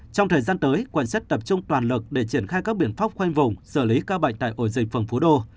trong thời gian tới quận xét tập trung toàn lực để triển khai các biện phóc quanh vùng xử lý ca bệnh tại ổ dịch phường phú đô